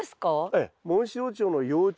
ええ。